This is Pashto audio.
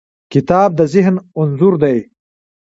کتاب د ذهن انځور دی.